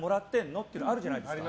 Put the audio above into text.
ってあるじゃないですか。